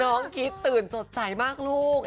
น้องครีดตื่นสดใจมากลูก